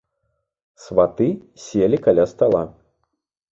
Сваты селі каля стала.